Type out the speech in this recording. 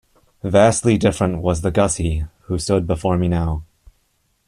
Vastly different was the Gussie who stood before me now.